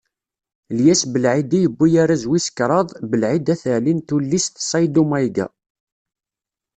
Lyes Belɛidi yewwi arraz wis kraḍ Belɛid At Ɛli n tullist Ṣayddu Mayga.